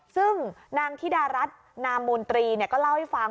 ซึ่งนางธิดารัฐนามูลตรีก็เล่าให้ฟัง